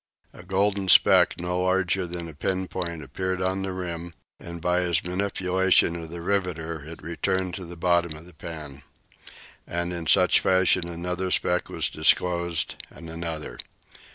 A golden speck, no larger than a pin point, appeared on the rim, and by his manipulation of the water it returned to the bottom of the pan. And in such fashion another speck was disclosed, and another.